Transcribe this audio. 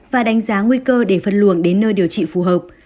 và đánh giá nguy cơ để phân luồng đến nơi điều trị phù hợp